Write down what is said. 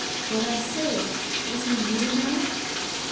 " What I say. Is he near now